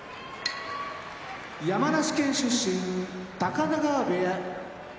山梨県出身高田川部屋